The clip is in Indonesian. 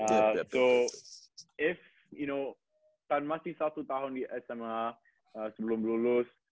jadi kalau lo tahu kan masih satu tahun di sma sebelum lulus